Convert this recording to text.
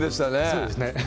そうですね